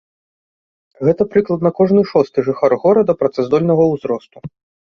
Гэта прыкладна кожны шосты жыхар горада працаздольнага ўзросту.